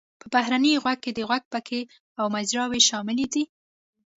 په بهرني غوږ کې د غوږ پکې او مجراوې شاملې دي.